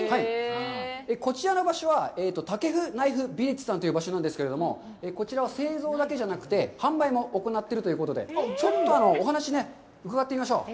こちらの場所は、タケフナイフビレッジさんという場所なんですけれども、こちらは製造だけじゃなくて、販売も行っているということで、ちょっとお話ね、伺ってみましょう。